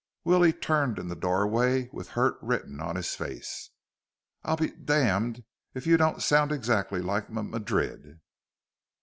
Willie turned in the doorway with hurt written on his face. "I'll be d damned if you don't sound exactly like M Madrid!"